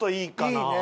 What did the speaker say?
いいね。